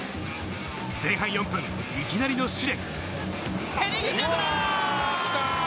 前半４分、いきなりの試練。